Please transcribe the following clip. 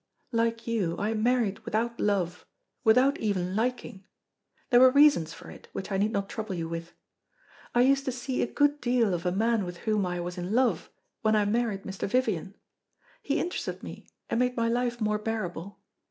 Like you, I married without love, without even liking. There were reasons for it, which I need not trouble you with. I used to see a good deal of a man with whom I was in love, when I married Mr. Vivian. He interested me and made my life more bearable.